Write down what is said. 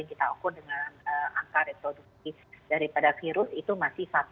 nah kita bisa lihat bahwa kasus penularan dengan angka retrodukis daripada virus itu masih satu dua